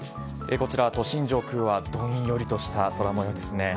こちら、都心上空はどんよりとした空もようですね。